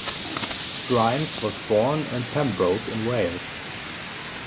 Grimes was born in Pembroke in Wales.